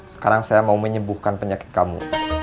sekarang saya mau menyembuhkan penyakit kamu